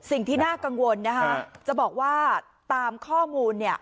สิ่งที่น่ากังวลนะคะจะบอกว่าตามข้อมูลเนี่ย